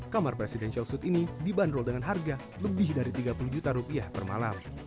kamar presidential suite ini dibanderol dengan harga lebih dari tiga puluh juta rupiah per malam